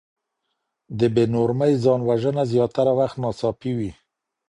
د بې نورمۍ ځان وژنه زياتره وخت ناڅاپي وي.